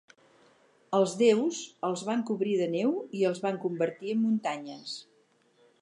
Els déus els van cobrir de neu i els van convertir en muntanyes.